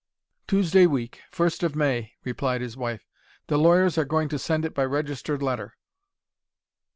"Tuesday week; first of May," replied his wife. "The lawyers are going to send it by registered letter."